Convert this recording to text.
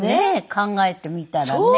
考えてみたらね。